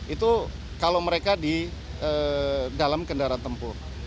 itu kalau mereka di dalam kendaraan tempur